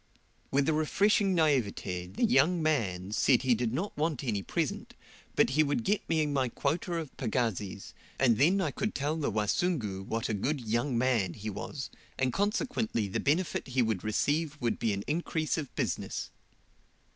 With a refreshing naivete, the "young man" said he did not want any present, he would get me my quota of pagazis, and then I could tell the "Wasungu" what a good "young man" he was, and consequently the benefit he would receive would be an increase of business.